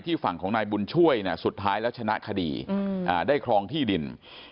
ฝั่งของนายบุญช่วยสุดท้ายแล้วชนะคดีได้ครองที่ดิน